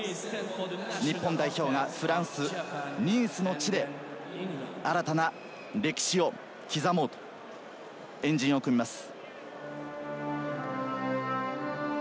日本代表がフランス・ニースの地で新たな歴史を刻もうと円陣を組みます。